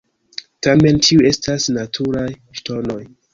Tamen ĉiuj estas "naturaj ŝtonoj".